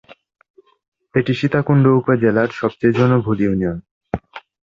এটি সীতাকুণ্ড উপজেলার সবচেয়ে জনবহুল ইউনিয়ন।